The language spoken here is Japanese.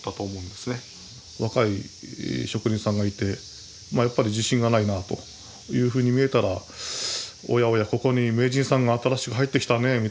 若い職人さんがいてやっぱり自信がないなというふうに見えたら「おやおやここに名人さんが新しく入ってきたね」みたいな。